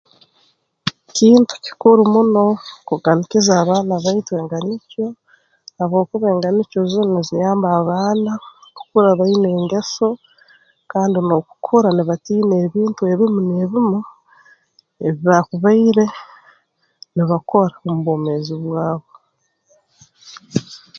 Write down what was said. Kintu kikuru muno kuganikiza abaana baitu enganikyo habwokuba enganikyo zinu nziyamba abaana kukura baine engeso kandi n'okukura nibatiina ebintu ebimu n'ebimu ebi baakubaire nibakora omu bwomeezi bwabo